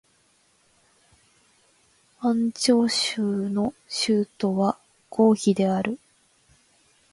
安徽省の省都は合肥である